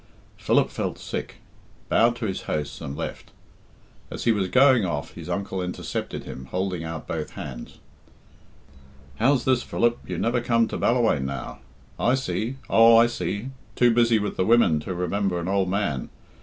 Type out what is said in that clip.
Philip felt sick, bowed to his hosts, and left. As he was going off, his uncle intercepted him, holding out both hands. "How's this, Philip? You never come to Ballawhaine now. I see! Oh, I see! Too busy with the women to remember an old man.